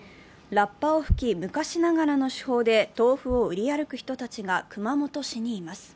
ラッパを吹き、昔ながらの手法で豆腐を売り歩く人たちが熊本市にいます。